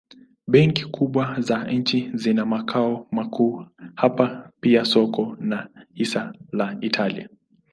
Benki kubwa za nchi zina makao makuu hapa pia soko la hisa la Italia.